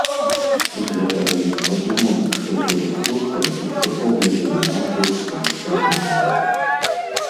З гэтага ён падумаў, што тут глуха і што поблізу няма тут язджалай дарогі.